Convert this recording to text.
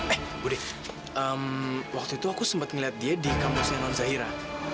eh bu de waktu itu aku sempet ngeliat dia di kamusnya non zahira